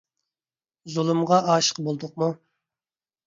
زۇلۇمغا ئاشىق بولدۇقمۇ؟